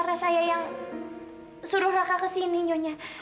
karena saya yang suruh raka kesini nyonya